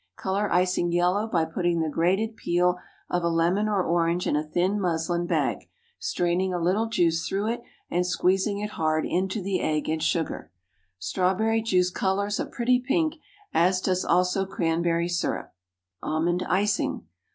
Color icing yellow by putting the grated peel of a lemon or orange in a thin muslin bag, straining a little juice through it, and squeezing it hard into the egg and sugar. Strawberry juice colors a pretty pink, as does also cranberry syrup. ALMOND ICING.